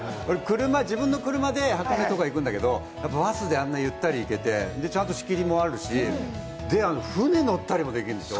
自分の車で箱根とか行くんだけれども、バスでゆったり行けて、あんな仕切りもあるし、船に乗ったりするんでしょ？